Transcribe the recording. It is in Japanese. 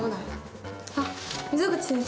あっ溝口先生。